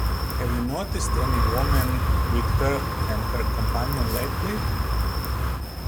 Have you noticed any woman with her and her companion lately?